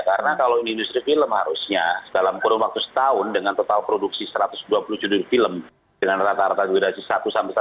karena kalau ini industri film harusnya dalam kurun waktu setahun dengan total produksi satu ratus dua puluh judul film dengan rata rata durasi satu sampai satu lima jam